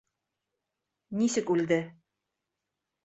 — Нисек үлде?